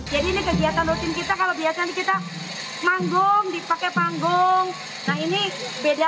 jadi ini kegiatan rutin kita kalau biasanya kita manggung dipakai panggung nah ini beda